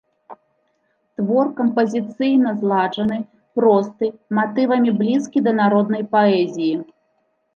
Твор кампазіцыйна зладжаны, просты, матывамі блізкі да народнай паэзіі.